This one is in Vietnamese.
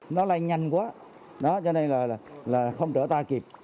nó lây nhanh quá cho nên là không trở ta kịp